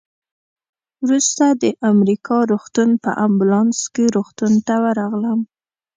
وروسته د امریکایي روغتون په امبولانس کې روغتون ته ورغلم.